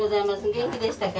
元気でしたか？